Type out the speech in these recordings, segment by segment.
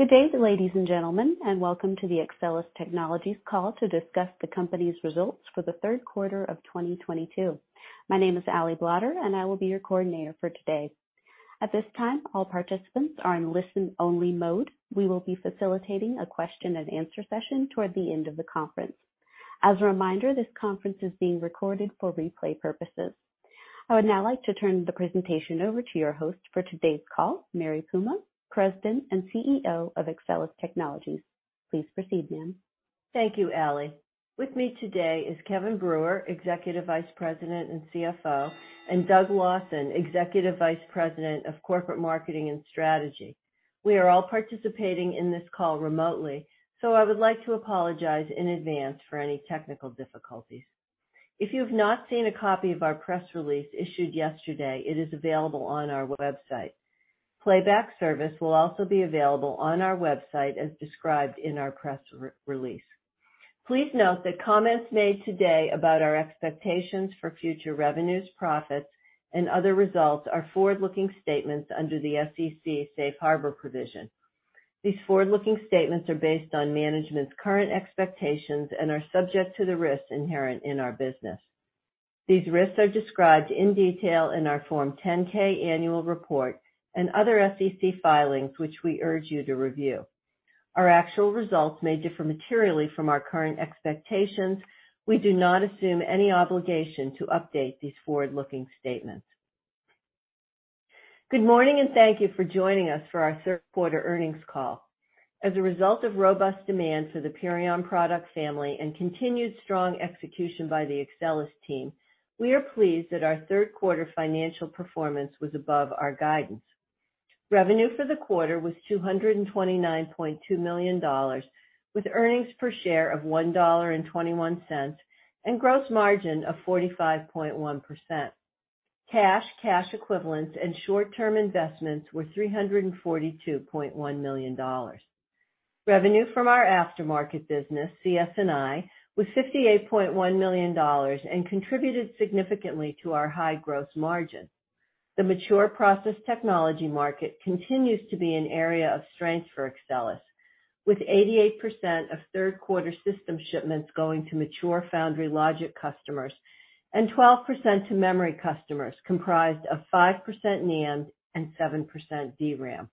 Good day, ladies and gentlemen, and welcome to the Axcelis Technologies call to discuss the company's results for the third quarter of 2022. My name is Ali Blotter, and I will be your coordinator for today. At this time, all participants are in listen-only mode. We will be facilitating a question and answer session toward the end of the conference. As a reminder, this conference is being recorded for replay purposes. I would now like to turn the presentation over to your host for today's call, Mary Puma, President and CEO of Axcelis Technologies. Please proceed, ma'am. Thank you, Ali. With me today is Kevin Brewer, Executive Vice President and CFO, and Doug Lawson, Executive Vice President of Corporate Marketing and Strategy. We are all participating in this call remotely, so I would like to apologize in advance for any technical difficulties. If you have not seen a copy of our press release issued yesterday, it is available on our website. Playback service will also be available on our website as described in our press release. Please note that comments made today about our expectations for future revenues, profits, and other results are forward-looking statements under the SEC safe harbor provision. These forward-looking statements are based on management's current expectations and are subject to the risks inherent in our business. These risks are described in detail in our Form 10-K annual report and other SEC filings, which we urge you to review. Our actual results may differ materially from our current expectations. We do not assume any obligation to update these forward-looking statements. Good morning, and thank you for joining us for our third-quarter earnings call. As a result of robust demand for the Purion product family and continued strong execution by the Axcelis team, we are pleased that our third-quarter financial performance was above our guidance. Revenue for the quarter was $229.2 million, with earnings per share of $1.21, and gross margin of 45.1%. Cash, cash equivalents, and short-term investments were $342.1 million. Revenue from our aftermarket business, CS&I, was $58.1 million and contributed significantly to our high gross margin. The mature process technology market continues to be an area of strength for Axcelis, with 88% of third-quarter system shipments going to mature foundry logic customers and 12% to memory customers, comprised of 5% NAND and 7% DRAM.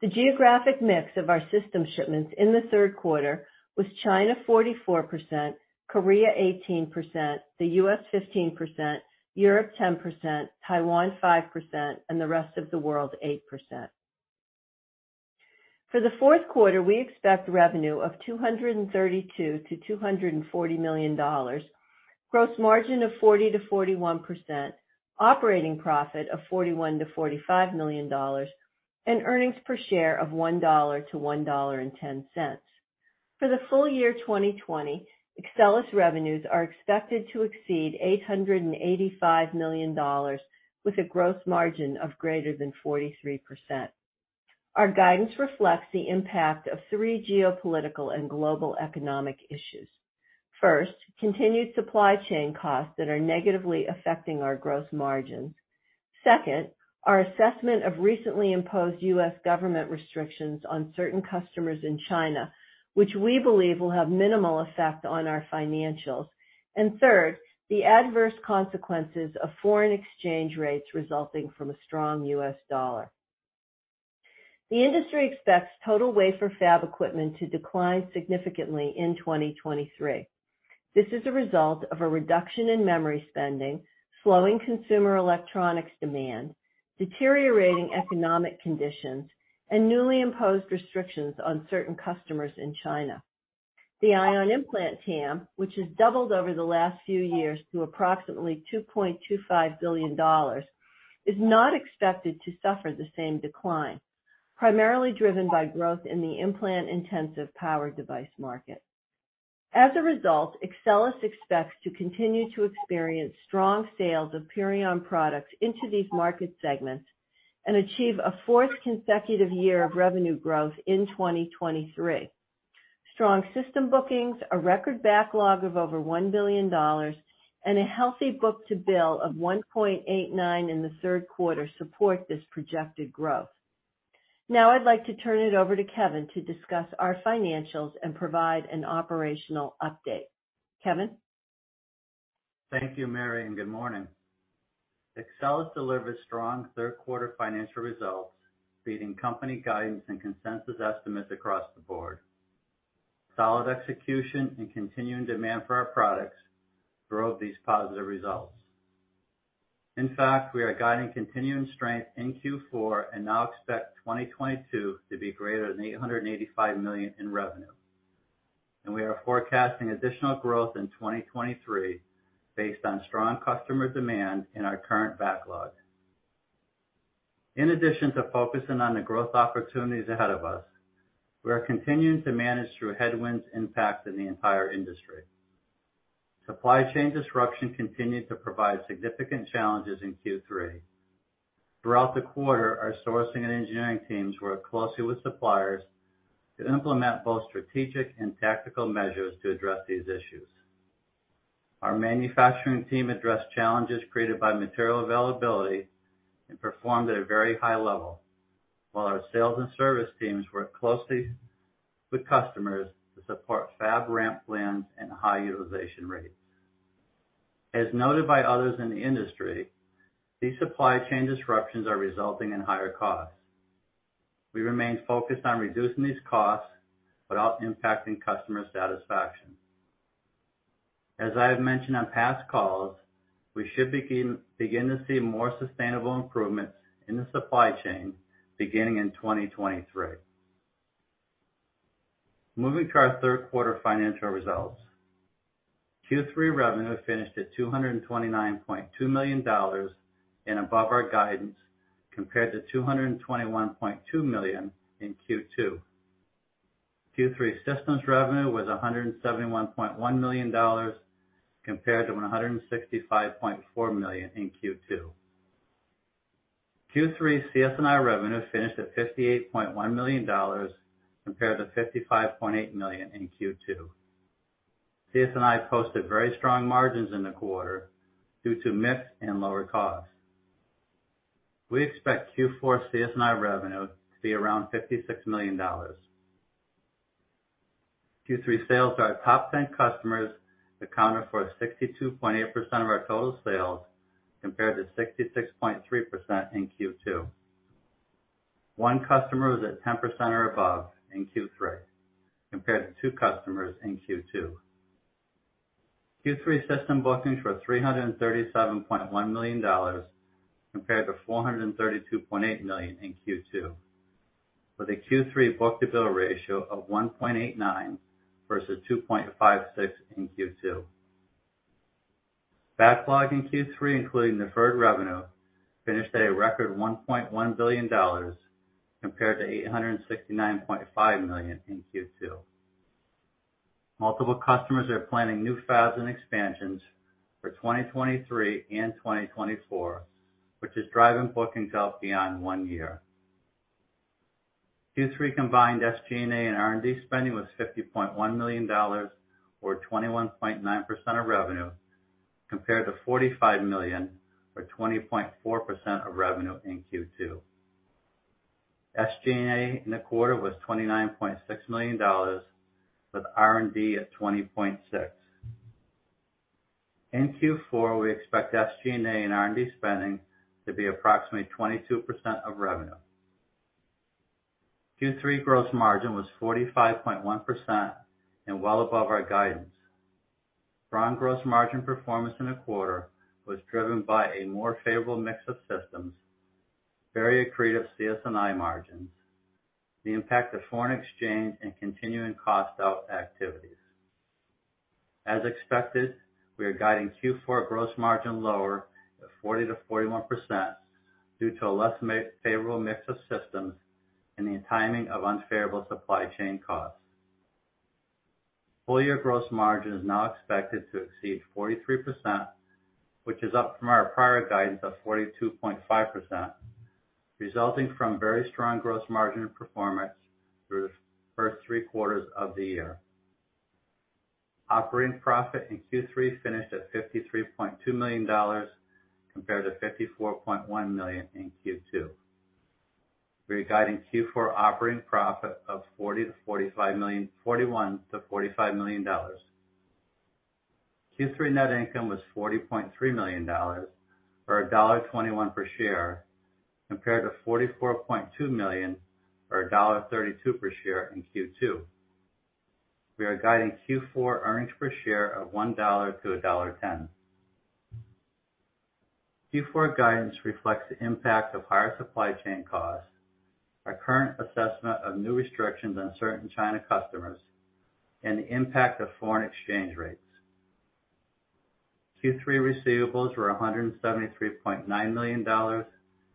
The geographic mix of our system shipments in the third quarter was China 44%, Korea 18%, the U.S. 15%, Europe 10%, Taiwan 5%, and the rest of the world 8%. For the fourth quarter, we expect revenue of $232 million-$240 million, gross margin of 40%-41%, operating profit of $41 million-$45 million, and earnings per share of $1-$1.10. For the full year 2020, Axcelis revenues are expected to exceed $885 million with a gross margin of greater than 43%. Our guidance reflects the impact of three geopolitical and global economic issues. First, continued supply chain costs that are negatively affecting our gross margins. Second, our assessment of recently imposed U.S. government restrictions on certain customers in China, which we believe will have minimal effect on our financials. Third, the adverse consequences of foreign exchange rates resulting from a strong U.S. dollar. The industry expects total wafer fab equipment to decline significantly in 2023. This is a result of a reduction in memory spending, slowing consumer electronics demand, deteriorating economic conditions, and newly imposed restrictions on certain customers in China. The ion implant TAM, which has doubled over the last few years to approximately $2.25 billion, is not expected to suffer the same decline, primarily driven by growth in the implant-intensive power device market. As a result, Axcelis expects to continue to experience strong sales of Purion products into these market segments and achieve a fourth consecutive year of revenue growth in 2023. Strong system bookings, a record backlog of over $1 billion, and a healthy book-to-bill of 1.89 in the third quarter support this projected growth. Now I'd like to turn it over to Kevin to discuss our financials and provide an operational update. Kevin? Thank you, Mary, and good morning. Axcelis delivered strong third-quarter financial results, beating company guidance and consensus estimates across the board. Solid execution and continuing demand for our products drove these positive results. In fact, we are guiding continuing strength in Q4 and now expect 2022 to be greater than $885 million in revenue. We are forecasting additional growth in 2023 based on strong customer demand in our current backlog. In addition to focusing on the growth opportunities ahead of us, we are continuing to manage through headwinds impact in the entire industry. Supply chain disruption continued to provide significant challenges in Q3. Throughout the quarter, our sourcing and engineering teams worked closely with suppliers to implement both strategic and tactical measures to address these issues. Our manufacturing team addressed challenges created by material availability and performed at a very high level, while our sales and service teams worked closely with customers to support fab ramp plans and high utilization rates. As noted by others in the industry, these supply chain disruptions are resulting in higher costs. We remain focused on reducing these costs without impacting customer satisfaction. As I have mentioned on past calls, we should begin to see more sustainable improvements in the supply chain beginning in 2023. Moving to our third quarter financial results. Q3 revenue finished at $229.2 million and above our guidance, compared to $221.2 million in Q2. Q3 systems revenue was $171.1 million compared to $165.4 million in Q2. Q3 CS&I revenue finished at $58.1 million compared to $55.8 million in Q2. CS&I posted very strong margins in the quarter due to mix and lower costs. We expect Q4 CS&I revenue to be around $56 million. Q3 sales to our top ten customers accounted for 62.8% of our total sales, compared to 66.3% in Q2. One customer was at 10% or above in Q3 compared to two customers in Q2. Q3 system bookings were $337.1 million compared to $432.8 million in Q2, with a Q3 book-to-bill ratio of 1.89 versus 2.56 in Q2. Backlog in Q3, including deferred revenue, finished at a record $1.1 billion compared to $869.5 million in Q2. Multiple customers are planning new fabs and expansions for 2023 and 2024, which is driving bookings out beyond one year. Q3 combined SG&A and R&D spending was $50.1 million or 21.9% of revenue, compared to $45 million or 20.4% of revenue in Q2. SG&A in the quarter was $29.6 million, with R&D at $20.6 million. In Q4, we expect SG&A and R&D spending to be approximately 22% of revenue. Q3 gross margin was 45.1% and well above our guidance. Strong gross margin performance in the quarter was driven by a more favorable mix of systems, very accretive CS&I margins, the impact of foreign exchange, and continuing cost out activities. As expected, we are guiding Q4 gross margin lower at 40%-41% due to a less favorable mix of systems and the timing of unfavorable supply chain costs. Full year gross margin is now expected to exceed 43%, which is up from our prior guidance of 42.5%, resulting from very strong gross margin performance through the first three quarters of the year. Operating profit in Q3 finished at $53.2 million compared to $54.1 million in Q2. We are guiding Q4 operating profit of $40 million-$45 million, $41 million-$45 million. Q3 net income was $40.3 million or $1.21 per share, compared to $44.2 million or $1.32 per share in Q2. We are guiding Q4 earnings per share of $1- $1.10. Q4 guidance reflects the impact of higher supply chain costs, our current assessment of new restrictions on certain China customers, and the impact of foreign exchange rates. Q3 receivables were $173.9 million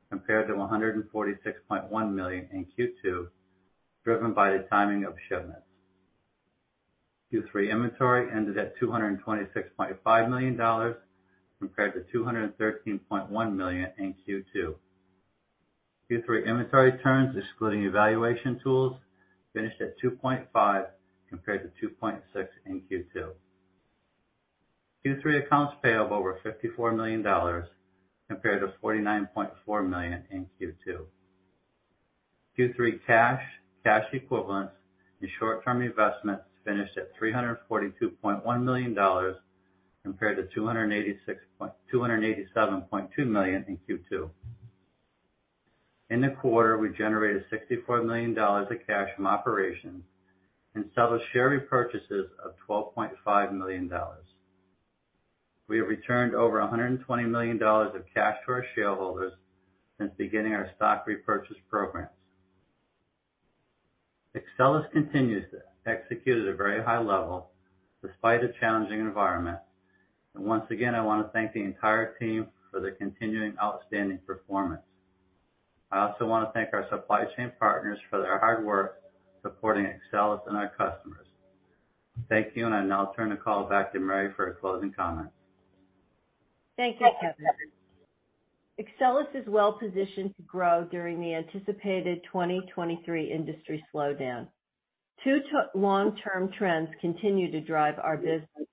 compared to $146.1 million in Q2, driven by the timing of shipments. Q3 inventory ended at $226.5 million compared to $213.1 million in Q2. Q3 inventory turns, excluding evaluation tools, finished at 2.5 compared to 2.6 in Q2. Q3 accounts payable over $54 million compared to $49.4 million in Q2. Q3 cash equivalents, and short-term investments finished at $342.1 million compared to $287.2 million in Q2. In the quarter, we generated $64 million of cash from operations and share repurchases of $12.5 million. We have returned over $120 million of cash to our shareholders since beginning our stock repurchase programs. Axcelis continues to execute at a very high level despite a challenging environment. Once again, I wanna thank the entire team for their continuing outstanding performance. I also wanna thank our supply chain partners for their hard work supporting Axcelis and our customers. Thank you, and I'll now turn the call back to Mary for a closing comment. Thank you, Kevin. Axcelis is well positioned to grow during the anticipated 2023 industry slowdown. Two long-term trends continue to drive our business.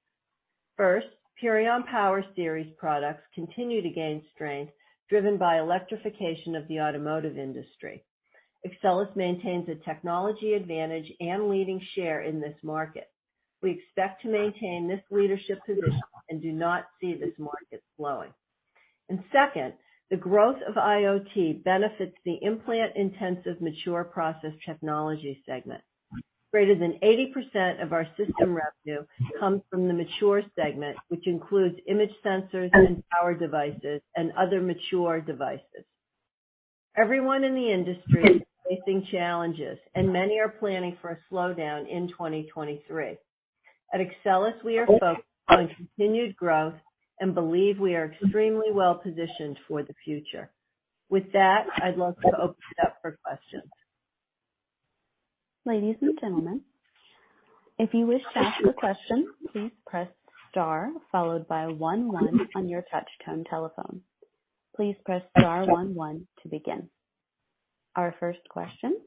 First, Purion Power Series products continue to gain strength, driven by electrification of the automotive industry. Axcelis maintains a technology advantage and leading share in this market. We expect to maintain this leadership position and do not see this market slowing. Second, the growth of IoT benefits the implant-intensive mature process technology segment. Greater than 80% of our system revenue comes from the mature segment, which includes image sensors and power devices and other mature devices. Everyone in the industry is facing challenges, and many are planning for a slowdown in 2023. At Axcelis, we are focused on continued growth and believe we are extremely well-positioned for the future. With that, I'd love to open it up for questions. Ladies and gentlemen, if you wish to ask a question, please press star followed by one one on your touch tone telephone. Please press star one one to begin. Our first question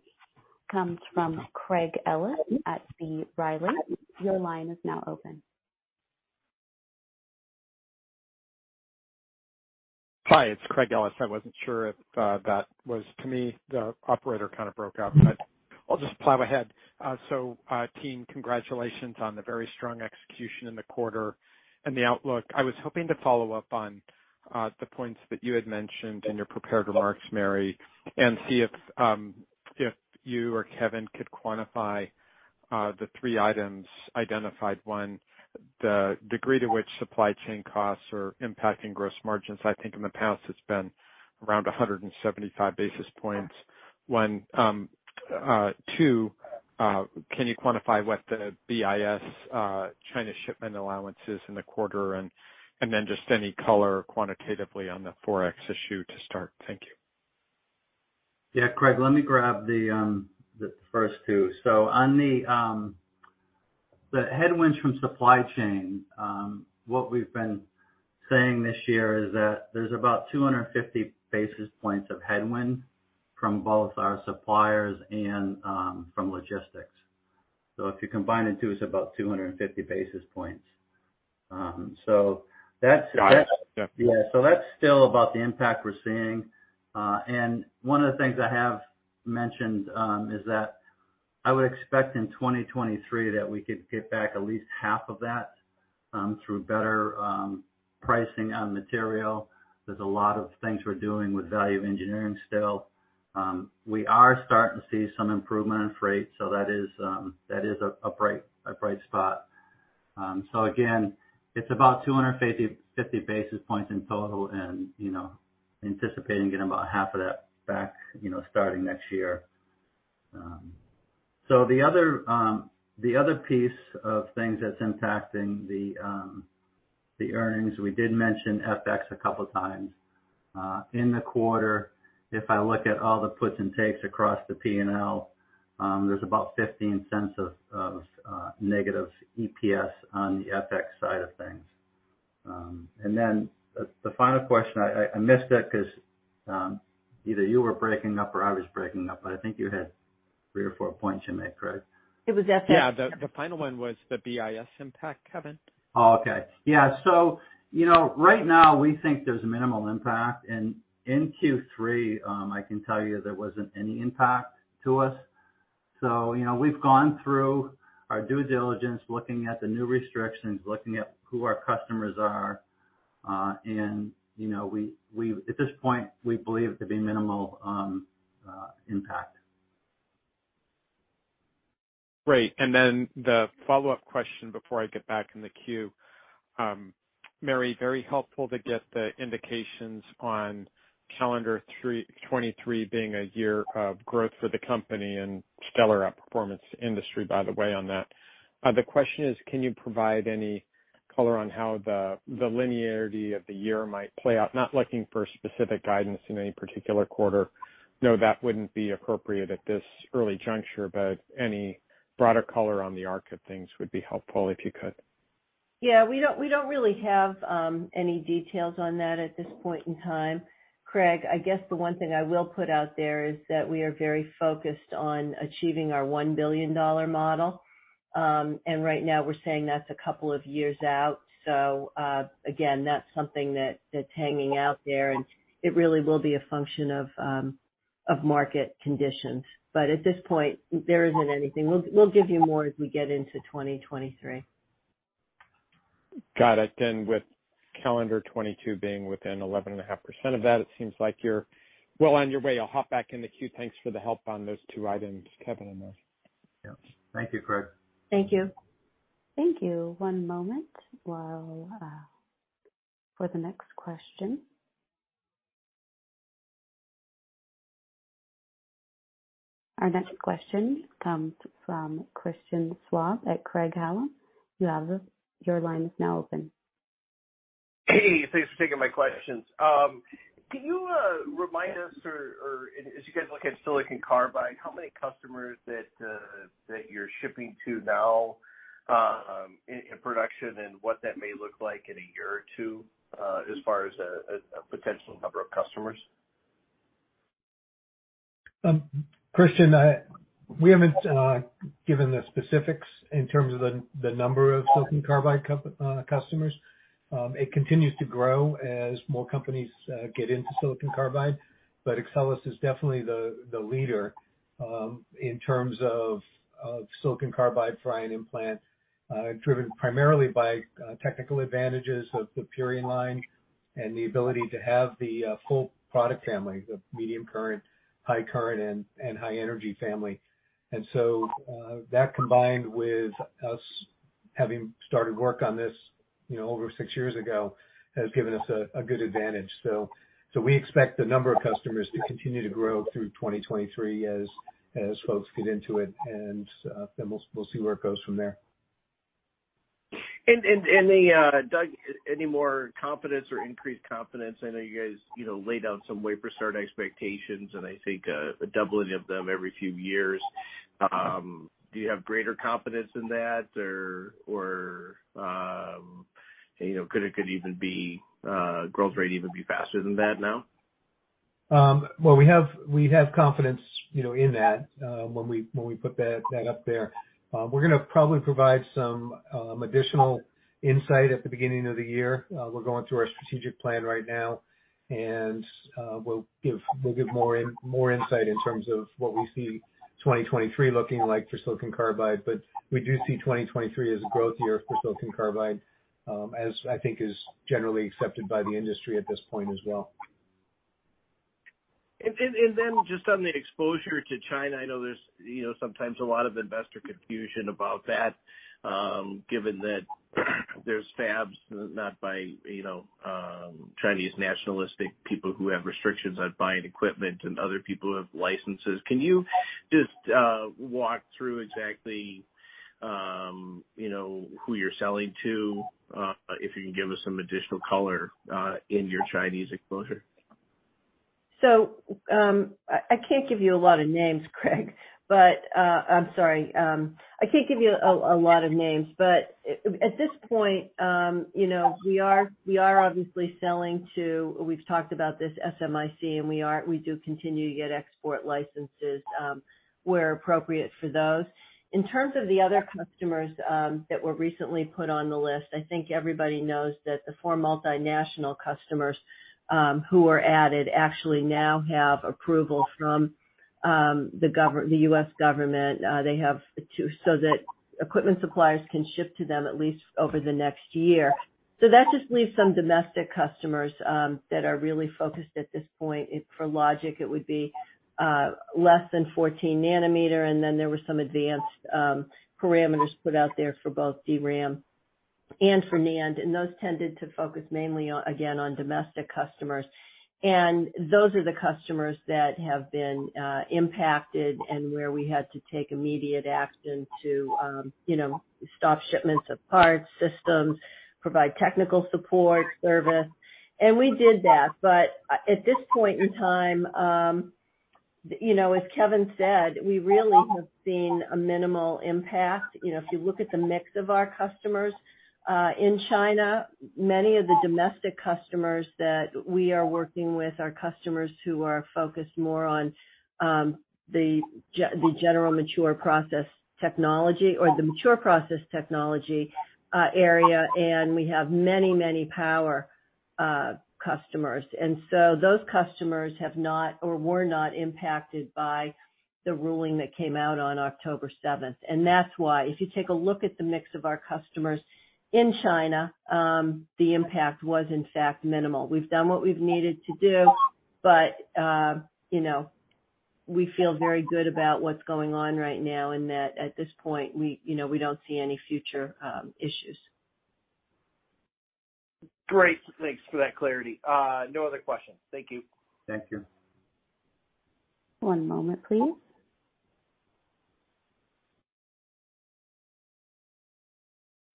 comes from Craig Ellis at B. Riley. Your line is now open. Hi, it's Craig Ellis. I wasn't sure if that was to me. The operator kind of broke up, but I'll just plow ahead. Team, congratulations on the very strong execution in the quarter and the outlook. I was hoping to follow up on the points that you had mentioned in your prepared remarks, Mary, and see if you or Kevin could quantify the three items identified. One, the degree to which supply chain costs are impacting gross margins. I think in the past, it's been around 175 basis points when. Two, can you quantify what the BIS China shipment allowance is in the quarter? And then just any color quantitatively on the Forex issue to start. Thank you. Yeah, Craig, let me grab the first two. On the headwinds from supply chain, what we've been saying this year is that there's about 250 basis points of headwind from both our suppliers and from logistics. If you combine the two, it's about 250 basis points. That's. Got it. Yeah. That's still about the impact we're seeing. And one of the things I have mentioned is that I would expect in 2023 that we could get back at least half of that through better pricing on material. There's a lot of things we're doing with value engineering still. We are starting to see some improvement on freight, so that is a bright spot. Again, it's about 250 basis points in total and, you know, anticipating getting about half of that back, you know, starting next year. The other piece of things that's impacting the earnings, we did mention FX a couple times. In the quarter, if I look at all the puts and takes across the P&L, there's about $0.15 of negative EPS on the FX side of things. The final question I missed it 'cause either you were breaking up or I was breaking up, but I think you had 3 or 4 points you made, Craig. It was FX. Yeah. The final one was the BIS impact, Kevin. Oh, okay. Yeah. You know, right now, we think there's minimal impact. In Q3, I can tell you there wasn't any impact to us. You know, we've gone through our due diligence, looking at the new restrictions, looking at who our customers are, and you know, at this point, we believe there to be minimal impact. Great. Then the follow-up question before I get back in the queue. Mary, very helpful to get the indications on calendar 2023 being a year of growth for the company and stellar outperformance of the industry, by the way, on that. The question is, can you provide any color on how the linearity of the year might play out? Not looking for specific guidance in any particular quarter. I know that wouldn't be appropriate at this early juncture, but any broader color on the arc of things would be helpful if you could. Yeah. We don't really have any details on that at this point in time. Craig, I guess the one thing I will put out there is that we are very focused on achieving our $1 billion model. Right now, we're saying that's a couple of years out. Again, that's something that's hanging out there, and it really will be a function of market conditions. At this point, there isn't anything. We'll give you more as we get into 2023. Got it. With calendar 2022 being within 11.5% of that, it seems like you're well on your way. I'll hop back in the queue. Thanks for the help on those two items, Kevin and Mary. Yeah. Thank you, Craig. Thank you. Thank you. One moment for the next question. Our next question comes from Christian Schwab at Craig-Hallum. Your line is now open. Hey, thanks for taking my questions. Can you remind us, or as you guys look at silicon carbide, how many customers that you're shipping to now in production and what that may look like in a year or two, as far as a potential number of customers? Christian, we haven't given the specifics in terms of the number of silicon carbide customers. It continues to grow as more companies get into silicon carbide, but Axcelis is definitely the leader in terms of silicon carbide ion implant, driven primarily by technical advantages of Purion line and the ability to have the full product family, the medium current, high current, and high energy family. That combined with us having started work on this, you know, over six years ago, has given us a good advantage. We expect the number of customers to continue to grow through 2023 as folks get into it, and then we'll see where it goes from there. Any, Doug, any more confidence or increased confidence? I know you guys, you know, laid out some wafer start expectations, and I think a doubling of them every few years. Do you have greater confidence in that or, you know, could even be growth rate even be faster than that now? Well, we have confidence, you know, in that, when we put that up there. We're gonna probably provide some additional insight at the beginning of the year. We're going through our strategic plan right now, and we'll give more insight in terms of what we see 2023 looking like for silicon carbide, but we do see 2023 as a growth year for silicon carbide, as I think is generally accepted by the industry at this point as well. Just on the exposure to China, I know there's, you know, sometimes a lot of investor confusion about that, given that there's fabs not by, you know, Chinese nationalistic people who have restrictions on buying equipment and other people who have licenses. Can you just walk through exactly, you know, who you're selling to, if you can give us some additional color in your Chinese exposure? I can't give you a lot of names, Craig, but I'm sorry. At this point, you know, we are obviously selling to, we've talked about this SMIC, and we do continue to get export licenses where appropriate for those. In terms of the other customers that were recently put on the list, I think everybody knows that the four multinational customers who were added actually now have approval from the U.S. government. They have to, so that equipment suppliers can ship to them at least over the next year. That just leaves some domestic customers that are really focused at this point. If for logic, it would be less than 14 nanometer, and then there were some advanced parameters put out there for both DRAM and for NAND, and those tended to focus mainly on, again, on domestic customers. Those are the customers that have been impacted and where we had to take immediate action to you know, stop shipments of parts, systems, provide technical support, service. We did that. At this point in time, you know, as Kevin said, we really have seen a minimal impact. You know, if you look at the mix of our customers in China, many of the domestic customers that we are working with are customers who are focused more on the general mature process technology or the mature process technology area, and we have many, many power customers. Those customers have not or were not impacted by the ruling that came out on October seventh. That's why if you take a look at the mix of our customers in China, the impact was in fact minimal. We've done what we've needed to do, but, you know, we feel very good about what's going on right now and that at this point, we, you know, we don't see any future, issues. Great. Thanks for that clarity. No other questions. Thank you. Thank you. One moment, please.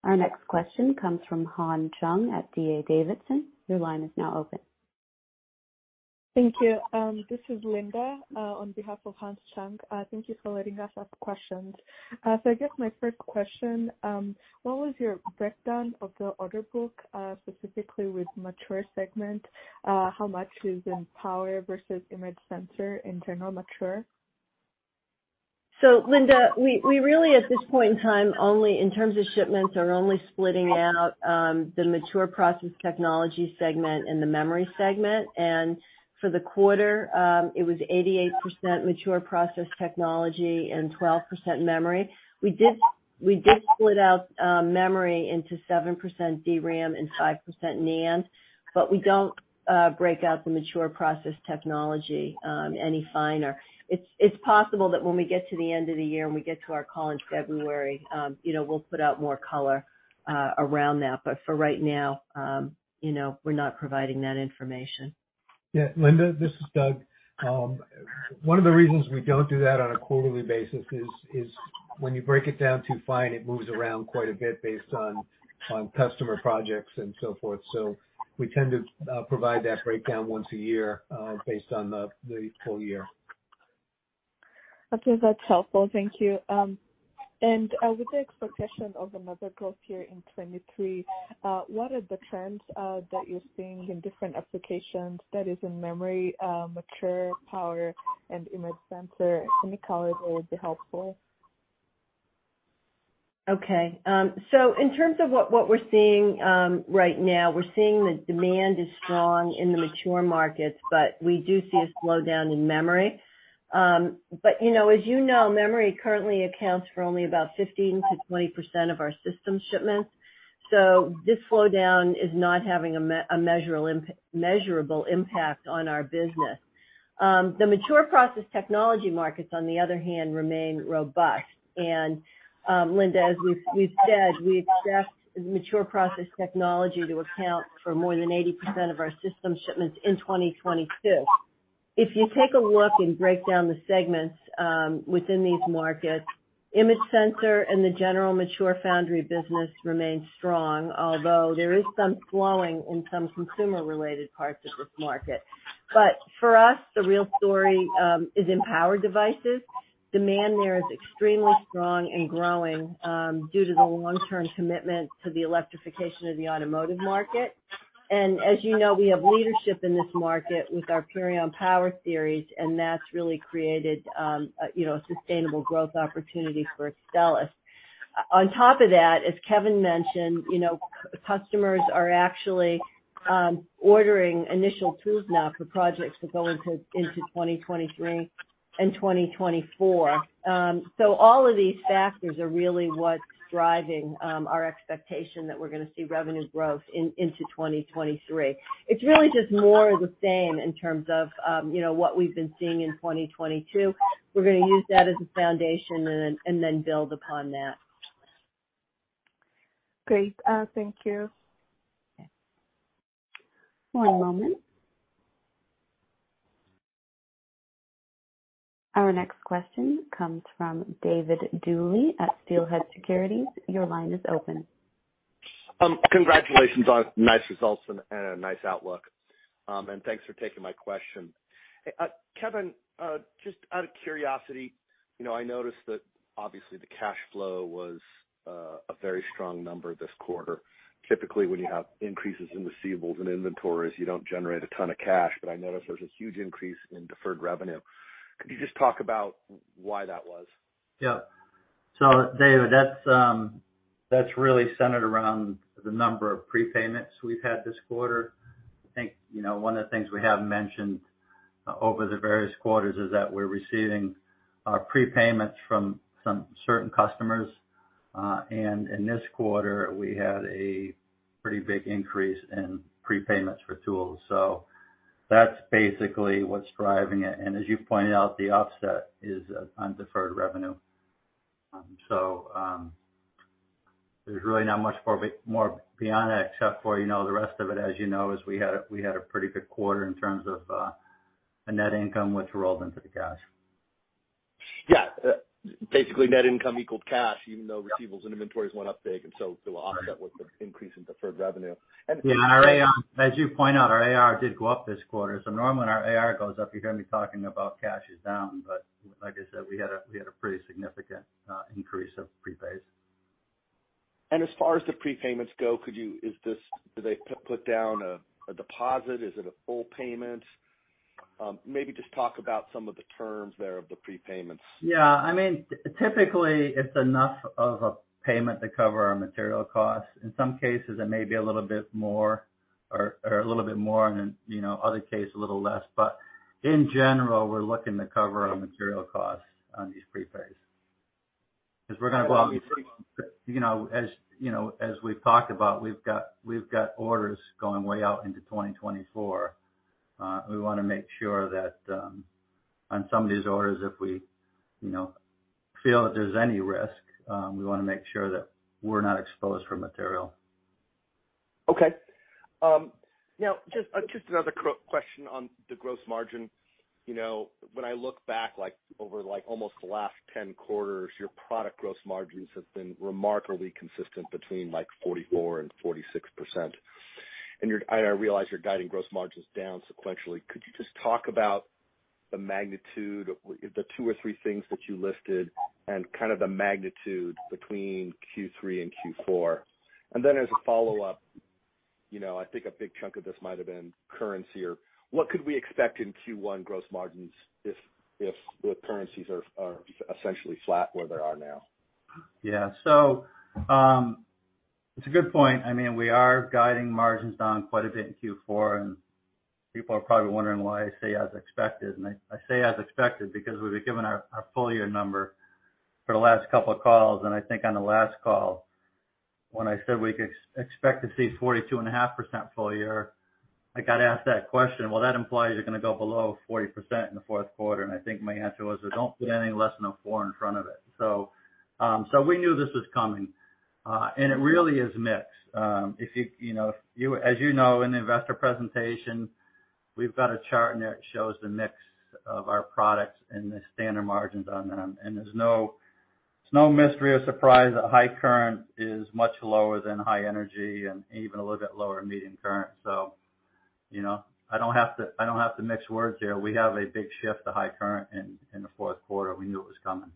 Our next question comes from Hans Chung at D.A. Davidson. Your line is now open. Thank you. This is Linda, on behalf of Hans Chung. Thank you for letting us ask questions. I guess my first question, what was your breakdown of the order book, specifically with mature segment? How much is in power versus image sensor in general mature? Linda, we really at this point in time, only in terms of shipments, are only splitting out the mature process technology segment and the memory segment. For the quarter, it was 88% mature process technology and 12% memory. We did split out memory into 7% DRAM and 5% NAND, but we don't break out the mature process technology any finer. It's possible that when we get to the end of the year and we get to our call in February, you know, we'll put out more color around that. For right now, you know, we're not providing that information. Yeah. Linda, this is Doug. One of the reasons we don't do that on a quarterly basis is when you break it down too fine, it moves around quite a bit based on customer projects and so forth. We tend to provide that breakdown once a year based on the full year. Okay, that's helpful. Thank you. With the expectation of another growth year in 2023, what are the trends that you're seeing in different applications that is in memory, mature power and image sensor? Any color there would be helpful. Okay. In terms of what we're seeing right now, we're seeing the demand is strong in the mature markets, but we do see a slowdown in memory. You know, as you know, memory currently accounts for only about 15%-20% of our system shipments. This slowdown is not having a measurable impact on our business. The mature process technology markets, on the other hand, remain robust. Linda, as we've said, we expect mature process technology to account for more than 80% of our system shipments in 2022. If you take a look and break down the segments within these markets, image sensor and the general mature foundry business remains strong, although there is some slowing in some consumer-related parts of this market. For us, the real story is in power devices. Demand there is extremely strong and growing due to the long-term commitment to the electrification of the automotive market. As you know, we have leadership in this market with our Purion Power Series, and that's really created you know, a sustainable growth opportunity for Axcelis. On top of that, as Kevin mentioned, you know, customers are actually ordering initial tools now for projects to go into 2023 and 2024. All of these factors are really what's driving our expectation that we're gonna see revenue growth into 2023. It's really just more of the same in terms of you know, what we've been seeing in 2022. We're gonna use that as a foundation and then build upon that. Great. Thank you. Okay. One moment. Our next question comes from David Duley at Steelhead Securities. Your line is open. Congratulations on nice results and a nice outlook. Thanks for taking my question. Kevin, just out of curiosity, you know, I noticed that obviously the cash flow was a very strong number this quarter. Typically, when you have increases in receivables and inventories, you don't generate a ton of cash, but I noticed there's a huge increase in deferred revenue. Could you just talk about why that was? Yeah. David, that's really centered around the number of prepayments we've had this quarter. I think, you know, one of the things we have mentioned over the various quarters is that we're receiving prepayments from some certain customers, and in this quarter, we had a pretty big increase in prepayments for tools. That's basically what's driving it. As you pointed out, the offset is on deferred revenue. There's really not much more more beyond that except for, you know, the rest of it, as you know, is we had a pretty good quarter in terms of the net income which rolled into the cash. Yeah. Basically, net income equaled cash even though receivables and inventories went up big, and so to offset with the increase in deferred revenue. Yeah. Our AR, as you point out, our AR did go up this quarter. Normally, when our AR goes up, you hear me talking about cash is down. Like I said, we had a pretty significant increase of prepays. As far as the prepayments go, do they put down a deposit? Is it a full payment? Maybe just talk about some of the terms thereof. Yeah. I mean, typically it's enough of a payment to cover our material costs. In some cases, it may be a little bit more or a little bit more and then, you know, in other cases a little less. In general, we're looking to cover our material costs on these prepays. Because, you know, you know, as we've talked about, we've got orders going way out into 2024. We wanna make sure that, on some of these orders, if we, you know, feel that there's any risk, we wanna make sure that we're not exposed for material. Okay. Now just another question on the gross margin. You know, when I look back, like, over, like, almost the last 10 quarters, your product gross margins have been remarkably consistent between 44%-46%. I realize you're guiding gross margins down sequentially. Could you just talk about the magnitude, the two or three things that you listed and kind of the magnitude between Q3 and Q4? Then as a follow-up, you know, I think a big chunk of this might have been currency or what could we expect in Q1 gross margins if the currencies are essentially flat where they are now? Yeah. It's a good point. I mean, we are guiding margins down quite a bit in Q4, and people are probably wondering why I say as expected. I say as expected because we've given our full year number for the last couple of calls, and I think on the last call when I said we expect to see 42.5% full year, I got asked that question, "Well, that implies you're gonna go below 40% in the fourth quarter." I think my answer was, "Well, don't put any less than a four in front of it." We knew this was coming. It really is mix. If you know, as you know, in the investor presentation, we've got a chart in there that shows the mix of our products and the standard margins on them. There's no mystery or surprise that high current is much lower than high energy and even a little bit lower than medium current. You know, I don't have to mix words here. We have a big shift to high current in the fourth quarter. We knew it was coming.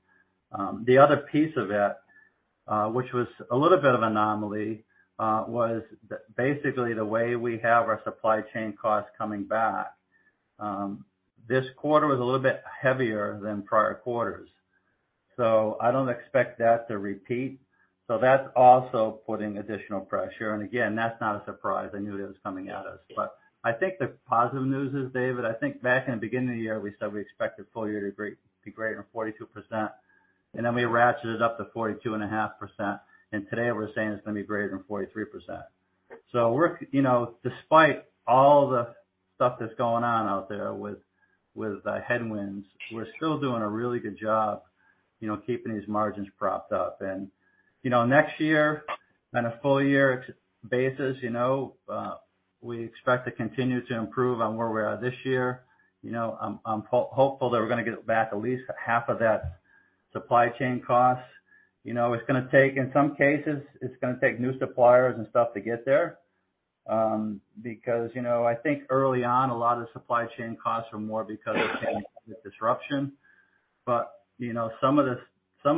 The other piece of it, which was a little bit of anomaly, was basically the way we have our supply chain costs coming back, this quarter was a little bit heavier than prior quarters, so I don't expect that to repeat. That's also putting additional pressure. Again, that's not a surprise. I knew that was coming at us. I think the positive news is, David, I think back in the beginning of the year, we said we expected full year to be greater than 42%, and then we ratcheted it up to 42.5%. Today, we're saying it's gonna be greater than 43%. We're, you know, despite all the stuff that's going on out there with the headwinds, still doing a really good job, you know, keeping these margins propped up. You know, next year on a full year ex-basis, we expect to continue to improve on where we are this year. You know, I'm hopeful that we're gonna get back at least half of that supply chain costs. You know, it's gonna take, in some cases, it's gonna take new suppliers and stuff to get there, because, you know, I think early on a lot of supply chain costs were more because of changes with disruption. You know, some of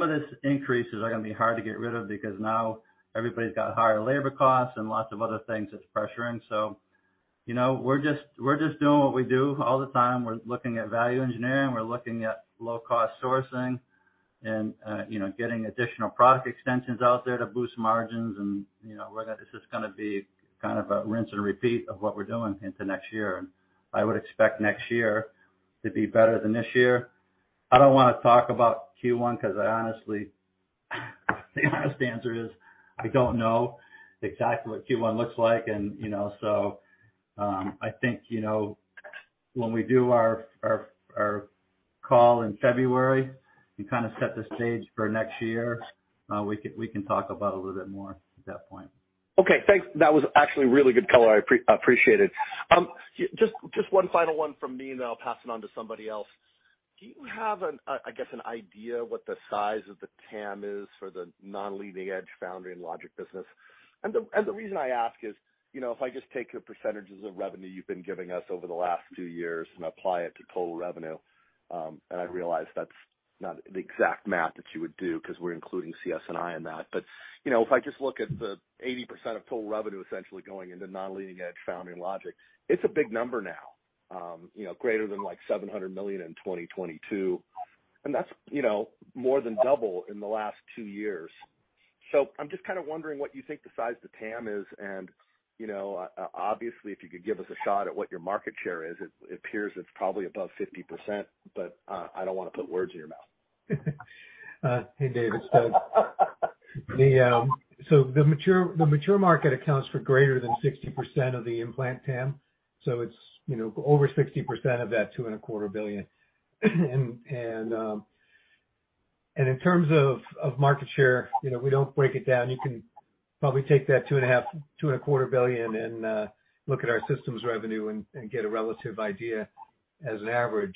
this increases are gonna be hard to get rid of because now everybody's got higher labor costs and lots of other things it's pressuring. You know, we're just doing what we do all the time. We're looking at value engineering. We're looking at low-cost sourcing and, you know, getting additional product extensions out there to boost margins. You know, whether this is gonna be kind of a rinse and repeat of what we're doing into next year. I would expect next year to be better than this year. I don't wanna talk about Q1 'cause I honestly, the honest answer is I don't know exactly what Q1 looks like. You know, I think, you know, when we do our call in February to kind of set the stage for next year, we can talk about a little bit more at that point. Okay. Thanks. That was actually really good color. I appreciate it. Just one final one from me, and then I'll pass it on to somebody else. Do you have an, I guess, an idea what the size of the TAM is for the non-leading edge foundry and logic business? The reason I ask is, you know, if I just take your percentages of revenue you've been giving us over the last two years and apply it to total revenue, and I realize that's not the exact math that you would do 'cause we're including CS&I in that. You know, if I just look at the 80% of total revenue essentially going into non-leading edge foundry and logic, it's a big number now, you know, greater than like $700 million in 2022, and that's, you know, more than double in the last two years. I'm just kind of wondering what you think the size of the TAM is. you know, obviously, if you could give us a shot at what your market share is, it appears it's probably above 50%, but, I don't wanna put words in your mouth. Hey, David. The mature market accounts for greater than 60% of the implant TAM, it's, you know, over 60% of that $2.25 billion. In terms of market share, you know, we don't break it down. You can probably take that $2.25 billion and look at our systems revenue and get a relative idea as an average.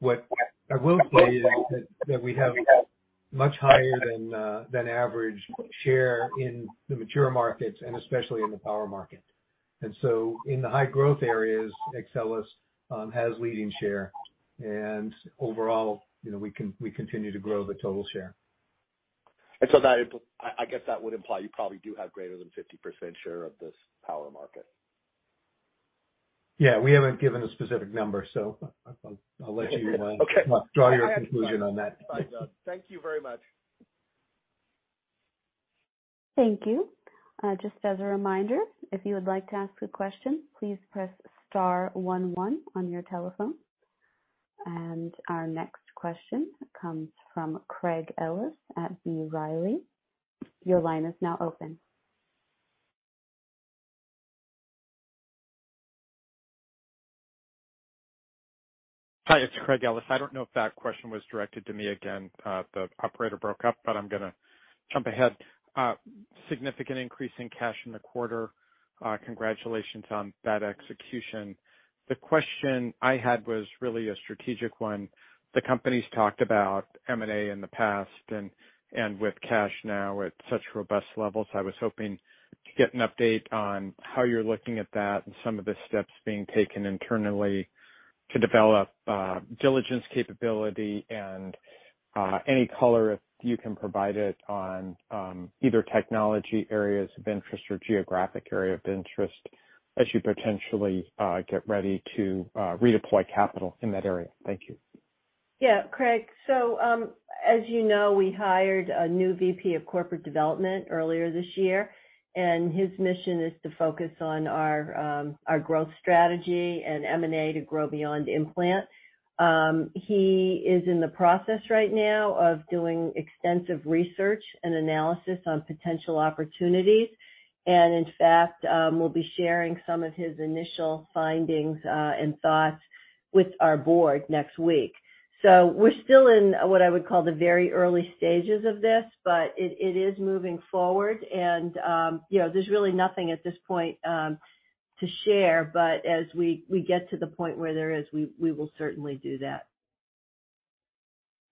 What I will say is that we have much higher than average share in the mature markets and especially in the power market. In the high growth areas, Axcelis has leading share. Overall, you know, we continue to grow the total share. I guess that would imply you probably do have greater than 50% share of this power market. Yeah, we haven't given a specific number, so I'll let you. Okay. Draw your conclusion on that. That's fine. Thank you very much. Thank you. Just as a reminder, if you would like to ask a question, please press star one one on your telephone. Our next question comes from Craig Ellis at B. Riley. Your line is now open. Hi, it's Craig Ellis. I don't know if that question was directed to me again. The operator broke up, but I'm gonna jump ahead. Significant increase in cash in the quarter. Congratulations on that execution. The question I had was really a strategic one. The company's talked about M&A in the past and with cash now at such robust levels, I was hoping to get an update on how you're looking at that and some of the steps being taken internally to develop diligence capability and any color, if you can provide it, on either technology areas of interest or geographic area of interest as you potentially get ready to redeploy capital in that area. Thank you. Yeah, Craig. As you know, we hired a new VP of corporate development earlier this year, and his mission is to focus on our our growth strategy and M&A to grow beyond implant. He is in the process right now of doing extensive research and analysis on potential opportunities. In fact, we'll be sharing some of his initial findings and thoughts with our board next week. We're still in what I would call the very early stages of this, but it is moving forward and you know, there's really nothing at this point to share, but as we get to the point where there is, we will certainly do that.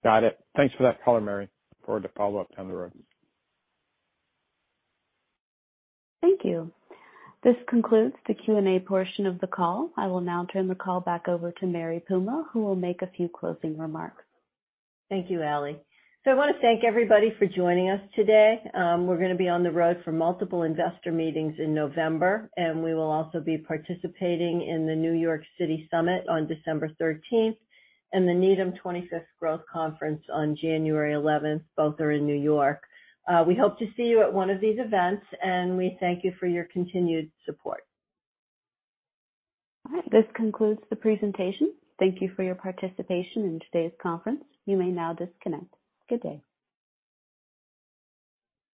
Got it. Thanks for that color, Mary. Look forward to follow up down the road. Thank you. This concludes the Q&A portion of the call. I will now turn the call back over to Mary Puma, who will make a few closing remarks. Thank you, Ali. I wanna thank everybody for joining us today. We're gonna be on the road for multiple investor meetings in November, and we will also be participating in the New York City Summit on December thirteenth and the 25th Annual Needham Growth Conference on January eleventh. Both are in New York. We hope to see you at one of these events, and we thank you for your continued support. All right. This concludes the presentation. Thank you for your participation in today's conference. You may now disconnect. Good day.